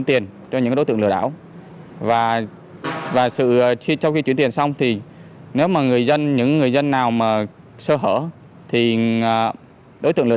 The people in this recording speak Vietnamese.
về lý do các đối tượng đưa ra như chuyển tiền nhằm đảm bảo hồ sơ vay